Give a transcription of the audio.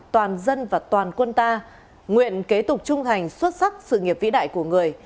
toàn dân và toàn quân ta nguyện kế tục trung hành xuất sắc sự nghiệp vĩ đại của người